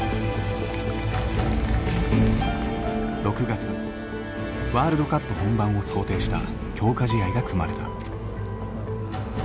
６月ワールドカップ本番を想定した強化試合が組まれた。